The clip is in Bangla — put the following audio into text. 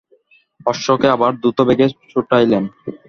অশ্বকে আবার দ্রুতবেগে ছুটাইলেন।